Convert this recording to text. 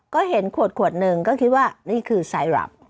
ก็เห็นขวดหนึ่งก็คิดว่านี่คือไซรับ